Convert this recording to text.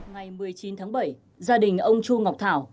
ngày một mươi chín tháng bảy gia đình ông chu ngọc thảo